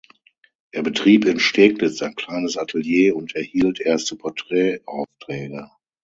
Er betrieb in Steglitz ein kleines Atelier und erhielt erste Porträtaufträge.